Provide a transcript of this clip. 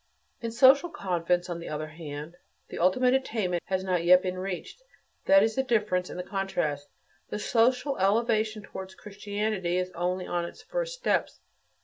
In social convents, on the other hand, the ultimate attainment has not yet been reached; that is the difference and the contrast. The social elevation towards Christianity is only on its first steps.